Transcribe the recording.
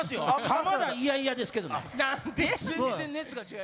浜田、いやいやですけどね。